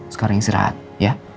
sekarang istirahat ya